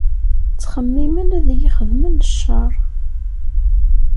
Ttxemmimen ad iyi-xedmen ccer.